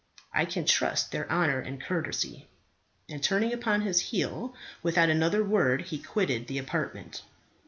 I can trust their honour and courtesy." And turning upon his heel, without another word he quitted the apartment.